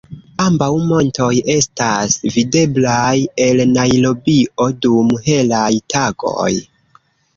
Ambaŭ montoj estas videblaj el Najrobio dum helaj tagoj.